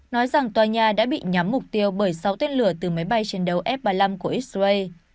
nói rằng tòa nhà đã bị nhắm mục tiêu bởi sáu tên lửa từ máy bay chiến đấu f ba mươi năm của israel